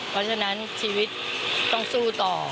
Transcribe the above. เพราะฉะนั้นชีวิตต้องสู้ต่อ